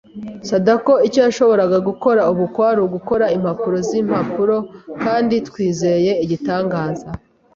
Sadako icyo yashoboraga gukora ubu kwari ugukora impapuro zimpapuro kandi twizeye igitangaza.